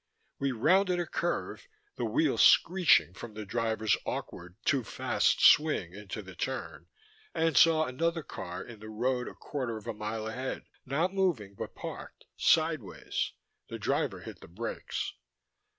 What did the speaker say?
We rounded a curve, the wheels screeching from the driver's awkward, too fast swing into the turn, and saw another car in the road a quarter of a mile ahead, not moving but parked sideways. The driver hit the brakes.